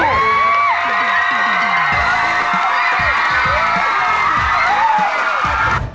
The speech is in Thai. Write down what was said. โอ้โห